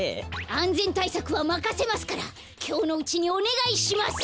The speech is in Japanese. あんぜんたいさくはまかせますからきょうのうちにおねがいします。